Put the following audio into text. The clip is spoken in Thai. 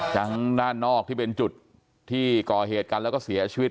ด้านนอกที่เป็นจุดที่ก่อเหตุกันแล้วก็เสียชีวิต